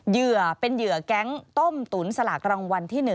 เหยื่อเป็นเหยื่อแก๊งต้มตุ๋นสลากรางวัลที่๑